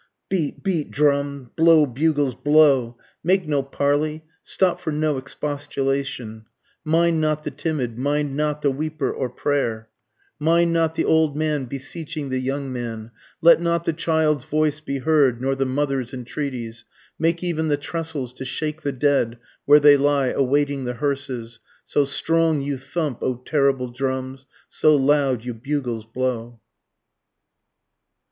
Beat! beat! drums! blow! bugles! blow! Make no parley stop for no expostulation, Mind not the timid mind not the weeper or prayer, Mind not the old man beseeching the young man, Let not the child's voice be heard, nor the mother's entreaties, Make even the trestles to shake the dead where they lie awaiting the hearses, So strong you thump O terrible drums so loud you bugles blow.